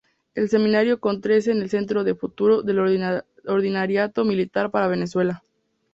El Seminario Castrense es el centro de y futuro del Ordinariato Militar para Venezuela.